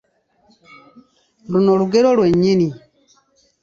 Luno lugero lwe nnyini.